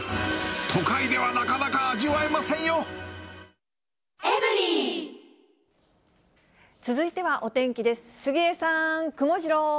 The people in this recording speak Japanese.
都会ではなかなか味わえませ続いてはお天気です。